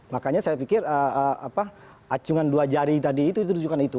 makanya saya pikir acungan dua jari tadi itu rujukan itu